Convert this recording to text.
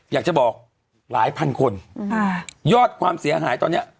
อยากจะบอกหลายพันคนยอดความเสียหายตอนเนี้ย